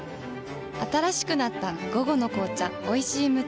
新しくなった「午後の紅茶おいしい無糖」